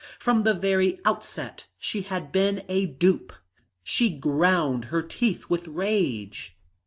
From the very outset she had been a dupe. She ground her teeth with rage.